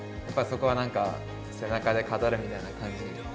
やっぱりそこは何か背中で語るみたいな感じ。